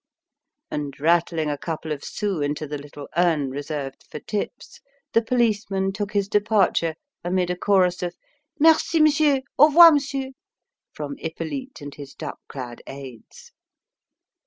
And, rattling a couple of sous into the little urn reserved for tips, the policeman took his departure, amid a chorus of "Merci, m'sieu', au r'voir, m'sieu'," from Hippolyte and his duck clad aids.